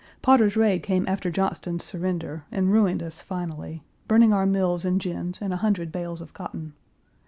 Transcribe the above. Potter's raid came after Johnston's surrender, and ruined us finally, burning our mills and gins and a hundred bales of cotton.